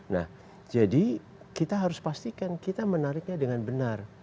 nah jadi kita harus pastikan kita menariknya dengan benar